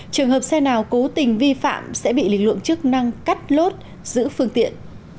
trường hợp xe nào cố tình vi phạm sẽ bị lực lượng chức năng cắt lốt giữ phương tiện